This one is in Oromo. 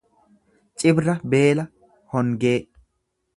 Cibra beela, hongee.